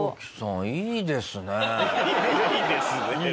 いいですね。